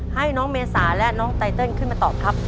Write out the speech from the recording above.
ให้น้องเมษาและน้องไตเติลขึ้นมาตอบครับ